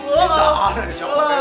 bisa ada di coklo neng